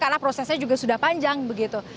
karena prosesnya juga sudah panjang begitu